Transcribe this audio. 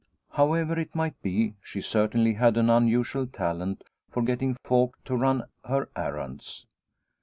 However it might be, she certainly had an un usual talent for getting folk to run her errands.